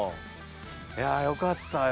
いやよかったよ。